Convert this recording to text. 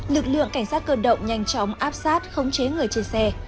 lực lượng cảnh sát cơ động nhanh chóng áp sát khống chế người trên xe